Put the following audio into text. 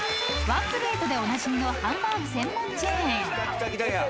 ［ワンプレートでおなじみのハンバーグ専門チェーン］